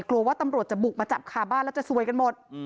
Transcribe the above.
กลัวว่าตำรวจจะบุกมาจับคาบ้านแล้วจะซวยกันหมด